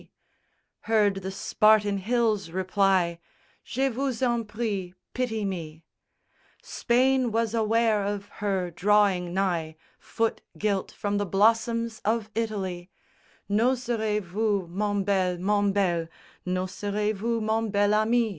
_ Heard the Spartan hills reply, Je vous en prie, pity me; Spain was aware of her drawing nigh Foot gilt from the blossoms of Italy; _N'oserez vous, mon bel, mon bel, N'oserez vous, mon bel ami?